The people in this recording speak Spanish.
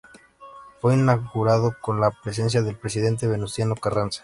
Fue inaugurado con la presencia del presidente Venustiano Carranza.